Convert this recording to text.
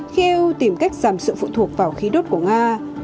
khi eu tìm cách giảm sự phụ thuộc vào khí đốt của nga